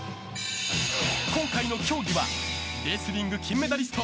今回の競技はレスリング金メダリスト